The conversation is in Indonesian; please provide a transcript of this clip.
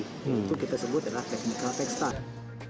itu kita sebut adalah technical tekstil